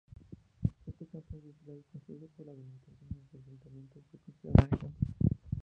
Este campo agrícola construido por la administración de reasentamiento fue considero un ejemplo.